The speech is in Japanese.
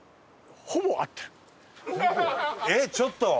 えっちょっと！